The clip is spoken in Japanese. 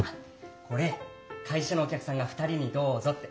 これ会社のおきゃくさんが２人にどうぞって。